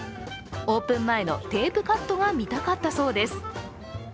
オープン前のテープカットが見たかったそうです。